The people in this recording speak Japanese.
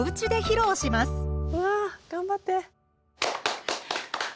うわ頑張って！